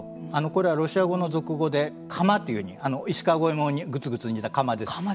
これはロシア語の俗語で釜というふうに石川五右衛門のぐつぐつ煮た釜です。